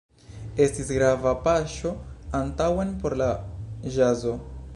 Estis grava paŝo antaŭen por la ĵazo.